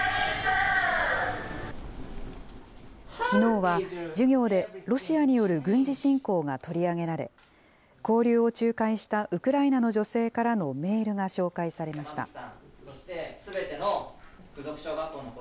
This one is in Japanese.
きのうは、授業でロシアによる軍事侵攻が取り上げられ、交流を仲介したウクライナの女性からのメールが紹介されました。